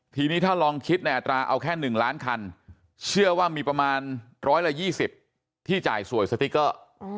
ทีนี้ถ้าลองคิดในอัตราเอาแค่๑ล้านคันเชื่อว่ามีประมาณ๑๒๐ที่จ่ายสวยสติ๊กเกอร์